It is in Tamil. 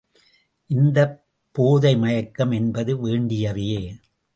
இந்த போதை மயக்கம் என்பது வேண்டியவையே.